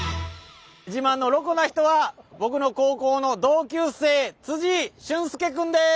自慢のロコな人は僕の高校の同級生俊輔君です！